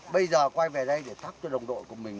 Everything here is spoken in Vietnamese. bây giờ quay về đây để thắc cho đồng đội của mình